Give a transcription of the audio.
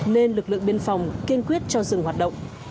nên lực lượng biên phòng kiên quyết cho dừng hoạt động